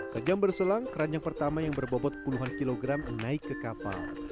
sejam berselang keranjang pertama yang berbobot puluhan kilogram naik ke kapal